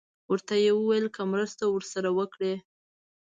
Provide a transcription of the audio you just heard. ورته یې وویل که مرسته ورسره وکړي.